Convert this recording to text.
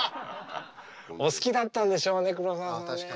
お好きだったんでしょうね黒澤さんね。